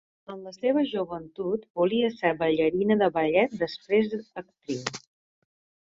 En la seva joventut, volia ser ballarina de ballet, després, actriu.